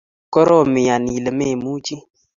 korom iyan Ile memuchi